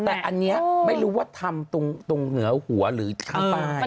แต่อันนี้ไม่รู้ว่าทำตรงเหนือหัวหรือข้างใต้